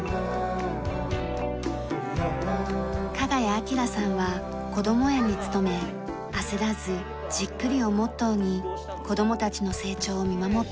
加賀谷朗さんはこども園に勤め「焦らずじっくり」をモットーに子供たちの成長を見守っています。